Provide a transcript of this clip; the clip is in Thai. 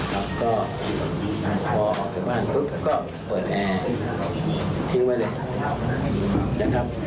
พอออกจากบ้านปุ๊บก็เปิดแอร์ทิ้งไว้เลย